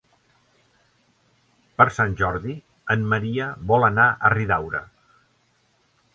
Per Sant Jordi en Maria vol anar a Riudaura.